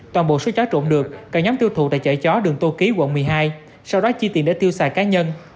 toàn bộ số chó trộn được cả nhóm tiêu thụ tại chợ chó đường tô ký quận một mươi hai sau đó chia tiền để tiêu xài cá nhân